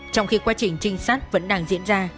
trong khi quá trình trinh sát vẫn đang diễn ra